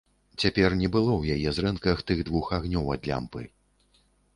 Цяпер не было ў яе зрэнках тых двух агнёў ад лямпы.